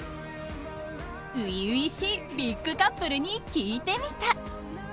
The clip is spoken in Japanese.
初々しいビッグカップルに聞いてみた。